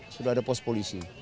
sudah ada pos polisi